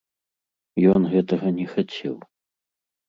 Ён гэтага не хацеў.